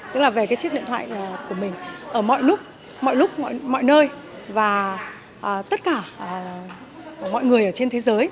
tức là về chiếc điện thoại của mình ở mọi lúc mọi nơi và tất cả mọi người trên thế giới